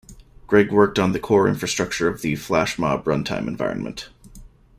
Greg worked on the core infrastructure of the FlashMob run time environment.